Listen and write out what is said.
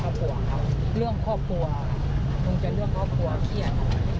เรื่องครอบครัวมันจะเรื่องครอบครัวเครียด